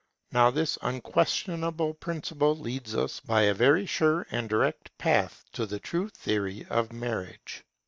Now this unquestionable principle leads us by a very sure and direct path to the true theory of marriage.